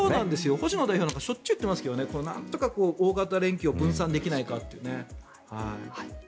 星野代表なんかしょっちゅう言ってますけどなんとか大型連休を分散できないかってね。